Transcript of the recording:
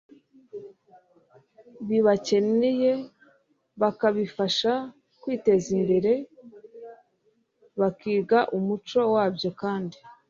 bibakeneye bakabifasha kwiteza imbere, bakiga umuco wabyo kandi